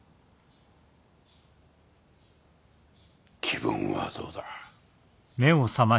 気分はどうだ？